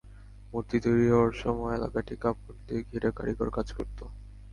মূর্তি তৈরি হওয়ার সময় এলাকাটি কাপড় দিয়ে ঘিরে কারিগর কাজ করত।